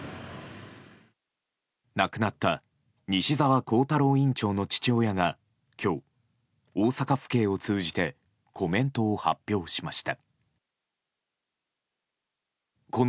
亡くなった西澤弘太郎院長の父親が今日大阪府警を通じてコメントを発表しました。